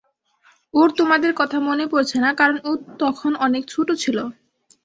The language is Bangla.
ওর তোমাদের কথা মনে পড়ছে না কারণ ও তখন অনেক ছোট ছিল।